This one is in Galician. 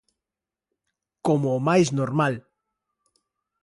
Como o máis normal.